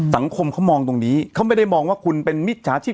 สังคมเขามองตรงนี้เขาไม่ได้มองว่าคุณเป็นมิจฉาชีพ